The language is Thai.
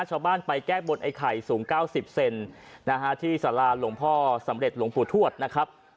ชาวบ้านไปแก้บนไอ้ไข่สูง๙๐เซนนะฮะที่สาราหลวงพ่อสำเร็จหลวงปู่ทวดนะครับ